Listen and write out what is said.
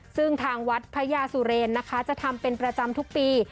ซึ่งทางวัดพระยาสุเรนนะคะจะทำเป็นประจำทุกปี